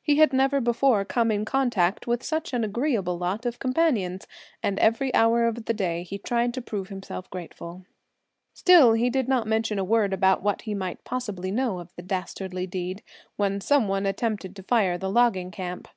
He had never before come in contact with such an agreeable lot of companions and every hour of the day he tried to prove himself grateful. Still, he did not mention a word about what he might possibly know of the dastardly deed, when some one attempted to fire the logging camp.